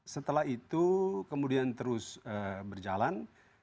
setelah itu kemudian terus berjalan